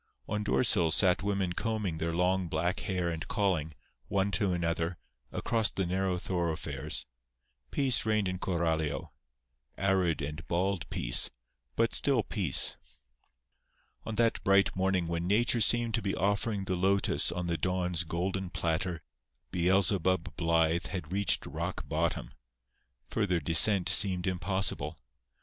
On doorsills sat women combing their long, black hair and calling, one to another, across the narrow thoroughfares. Peace reigned in Coralio—arid and bald peace; but still peace. On that bright morning when Nature seemed to be offering the lotus on the Dawn's golden platter "Beelzebub" Blythe had reached rock bottom. Further descent seemed impossible.